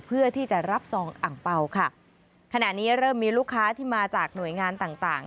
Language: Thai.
เพื่อที่จะรับซองอังเปล่าค่ะขณะนี้เริ่มมีลูกค้าที่มาจากหน่วยงานต่างต่าง